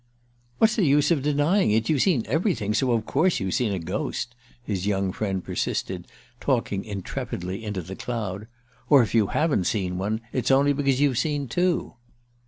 "What's the use of denying it? You've seen everything, so of course you've seen a ghost!" his young friend persisted, talking intrepidly into the cloud. "Or, if you haven't seen one, it's only because you've seen two!"